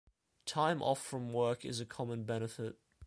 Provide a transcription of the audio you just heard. Time off from work is a common benefit.